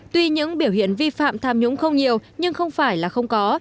tuy những biểu hiện vi phạm tham nhũng không nhiều nhưng không phải là không có